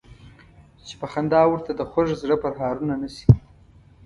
چې په خندا ورته د خوږ زړه پرهارونه نه شي.